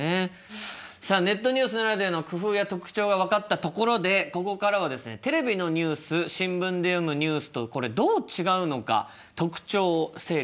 さあネットニュースならではの工夫や特徴が分かったところでここからはですねテレビのニュース新聞で読むニュースとこれどう違うのか特徴を整理してみたいと思います。